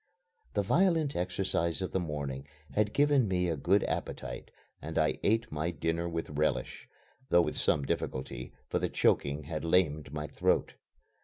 The violent exercise of the morning had given me a good appetite and I ate my dinner with relish, though with some difficulty, for the choking had lamed my throat.